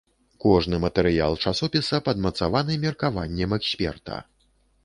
Кожны матэрыял часопіса падмацаваны меркаваннем эксперта.